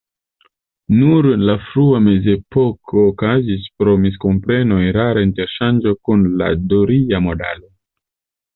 Nur en la frua mezepoko okazis pro miskompreno erara interŝanĝo kun la doria modalo.